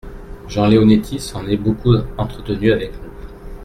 Jean Leonetti s’en est beaucoup entretenu avec nous.